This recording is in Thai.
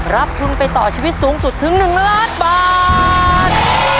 รับทุนไปต่อชีวิตสูงสุดถึง๑ล้านบาท